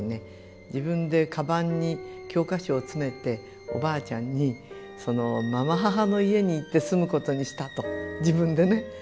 自分でかばんに教科書を詰めておばあちゃんにまま母の家に行って住むことにしたと自分でね。